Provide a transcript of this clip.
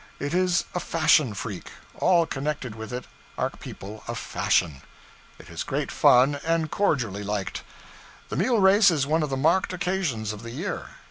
It is a fashion freak; all connected with it are people of fashion. It is great fun, and cordially liked. The mule race is one of the marked occasions of the year.